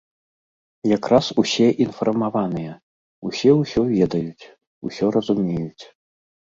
Якраз усе інфармаваныя, усе ўсё ведаюць, усё разумеюць.